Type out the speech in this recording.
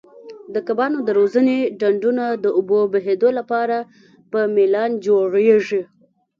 د کبانو د روزنې ډنډونه د اوبو بهېدو لپاره په میلان جوړیږي.